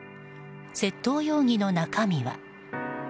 窃盗容疑の中身は。